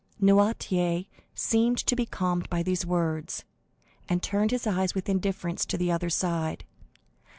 Noirtier seemed to be calmed by these words, and turned his eyes with indifference to the other side.